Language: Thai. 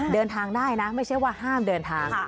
เดินทางได้นะไม่ใช่ว่าห้ามเดินทาง